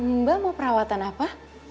mbak mau perawatan apa